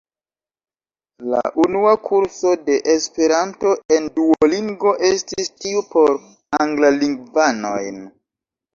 La unua kurso de Esperanto en Duolingo estis tiu por anglalingvanoj.